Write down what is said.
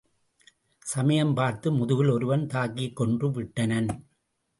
சமயம் பார்த்து முதுகில் ஒருவன் தாக்கிக் கொன்று விட்டனன்!